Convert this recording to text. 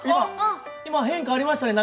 今変化ありましたね中。